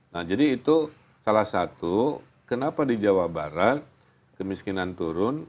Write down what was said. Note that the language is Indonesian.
nah jadi itu salah satu kenapa di jawa barat kemiskinan turun